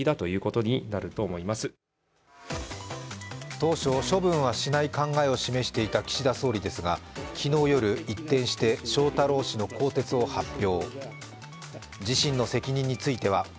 当初、処分はしない考えを示していた岸田総理ですが昨日夜、一転して翔太郎氏の更迭を発表。